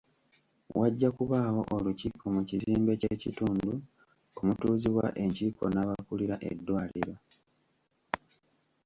Wajja kubaawo olukiiko mu kizimbe ky'ekitundu omutuuzibwa enkiiko n'abakulira eddwaliro.